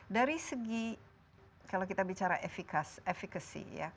dari segi kalau kita bicara efekasi ya